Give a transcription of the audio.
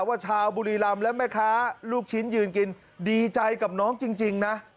ชาวบุรีรำและแม่ค้าลูกชิ้นยืนกินดีใจกับน้องจริงนะ